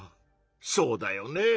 そうだよね。